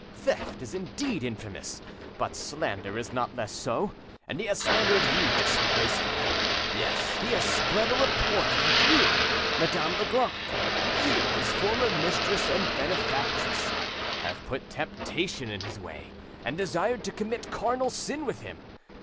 Theft is indeed infamous, but slander is not less so, and he has slandered you disgracefully. Yes, he has spread a report that you, Madame Legrand, you, his former mistress and benefactress, have put temptation in his way, and desired to commit carnal sin with him.